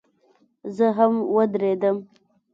زه هم ودرېدم.